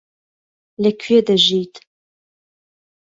لەکوێ دژیت؟